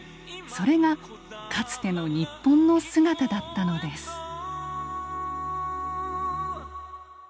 それがかつての日本の姿だったのです。